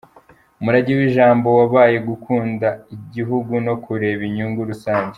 Umurage w’ijambo wabaye gukunda Igihugu no kureba inyungu rusange.